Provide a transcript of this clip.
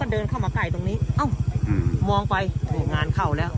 เดินเข้ามาใกล้ตรงนี้เอ้ามองไปนี่งานเข้าแล้ว